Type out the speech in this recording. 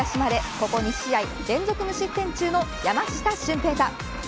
ここ２試合連続無失点中の山下舜平大。